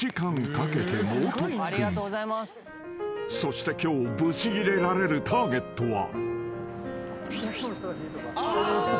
［そして今日ブチギレられるターゲットは］